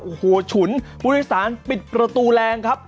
โอ้โหฉุนผู้โดยสารปิดประตูแรงครับ